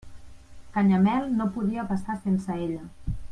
Canyamel no podia passar sense ella.